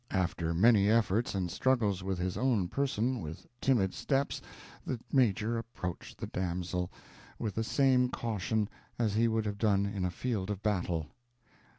After many efforts and struggles with his own person, with timid steps the Major approached the damsel, with the same caution as he would have done in a field of battle.